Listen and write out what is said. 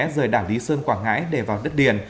rời đảng lý sơn quảng ngãi để vào đất điền